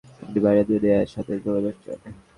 আপনি বাইরের দুনিয়ার সাথে যোগাযোগ চান।